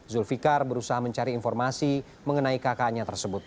zulfikar berusaha mencari informasi mengenai kakaknya tersebut